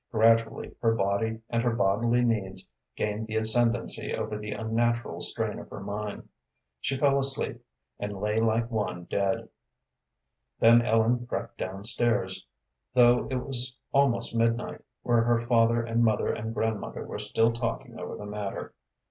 Gradually her body and her bodily needs gained the ascendancy over the unnatural strain of her mind. She fell asleep, and lay like one dead. Then Ellen crept down stairs, though it was almost midnight, where her father and mother and grandmother were still talking over the matter.